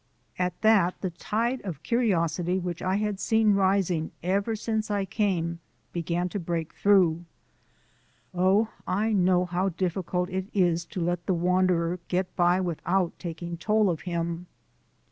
At that the tide of curiosity which I had seen rising ever since I came began to break through. Oh, I know how difficult it is to let the wanderer get by without taking toll of him!